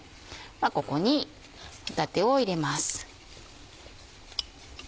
ここに帆立を入れます。